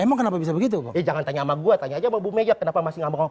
emang kenapa bisa begitu jangan tanya ama gua tanya aja mau bu meja kenapa masih ngambek